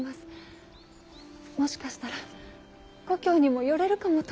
もしかしたら故郷にも寄れるかもと。